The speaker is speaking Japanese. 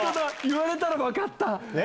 言われたら分かった。